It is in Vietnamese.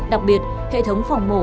đặc biệt hệ thống phòng mổ